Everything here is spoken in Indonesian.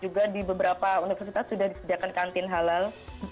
juga di beberapa universitas sudah disediakan kantin halal